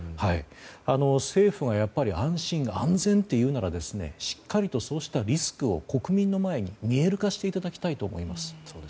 政府が安心・安全って言うならしっかりとそうしたリスクを国民の前に見える化していただきたいと思います。